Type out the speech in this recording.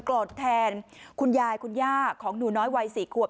โกรธแทนคุณยายคุณย่าของหนูน้อยวัย๔ขวบ